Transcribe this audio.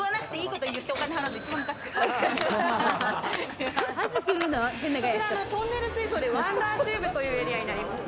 こちらはトンネル水槽でワンダーチューブというエリアになります。